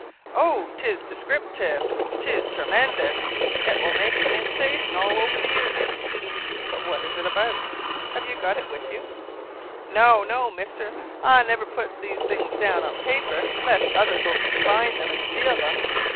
"Oh, 'tis des crip tive; 'tis tre men dous. It will make a sensation all over the Union." "But what is it about? Have you got it with you?" "No no, mister; I never puts these things down on paper, lest other folk should find them and steal them.